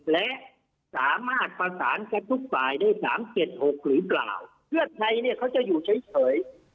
และสามารถประสานกันทุกฝ่ายได้สามเจ็ดหกหรือเปล่าเพื่อไทยเนี่ยเขาจะอยู่เฉย